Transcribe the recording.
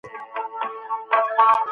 هغه د کائناتو د رازونو لټه وکړه.